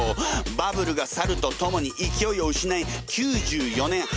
バブルが去るとともにいきおいを失い９４年８月に閉店。